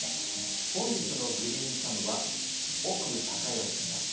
本日のグリーンサムは奥隆善さんです。